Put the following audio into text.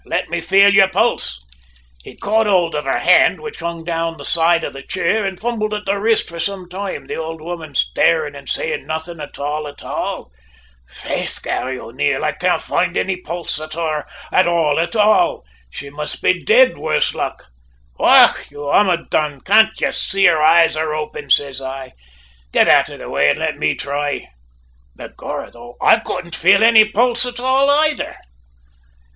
`Let me feel your pulse.' "He caught hold of her hand, which hung down the side of the chere and fumbled at the wrist for some toime, the ould woman starin' an' sayin' nothin' at all at all! "`Faith, Garry O'Neil, I can't foind any pulse on her at all at all. She must be di'd, worse luck!' "`Och, you omahdaun; can't ye say her eyes open?' says I. `Git out o' the way an' let me thry!' "Begorrah, though, I couldn't fale any pulse at all aythar.